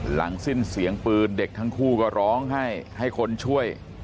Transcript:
หลังสิ้นเสียงปืนเด็กทั้งคู่ก็ร้องให้ให้คนช่วย